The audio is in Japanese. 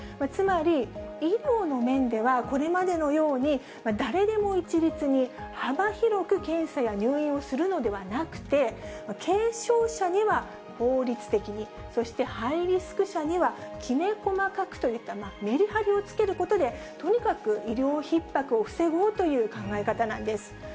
つまり、医療の面ではこれまでのように、誰でも一律に、幅広く検査や入院をするのではなくて、軽症者には効率的に、そして、ハイリスク者にはきめ細かくといったメリハリをつけることで、とにかく医療ひっ迫を防ごうという考え方なんです。